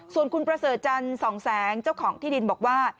ส่วนคุณพระเสจรรย์สองแสงเจ้าของที่ดินบอกว่า